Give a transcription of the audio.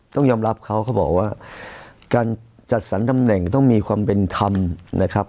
ต้องยอมรับเขาเขาบอกว่าการจัดสรรตำแหน่งต้องมีความเป็นธรรมนะครับ